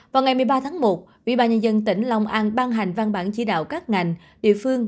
vào ngày một mươi ba tháng một ủy ban nhân dân tỉnh long an ban hành văn bản chỉ đạo các ngành địa phương